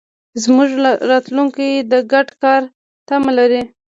زموږ راتلونکی د ګډ کار تمه لري.